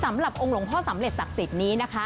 สำหรับองค์หลวงพ่อสำเร็จศักดิ์สิทธิ์นี้นะคะ